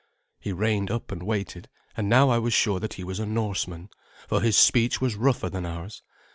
He reined up and waited, and now I was sure that he was a Norseman, for his speech was rougher than ours.